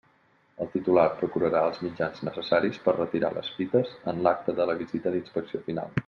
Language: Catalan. El titular procurarà els mitjans necessaris per retirar les fites en l'acte de la visita d'inspecció final.